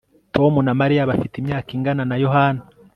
Tom na Mariya bafite imyaka ingana na Yohana